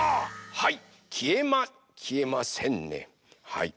はい！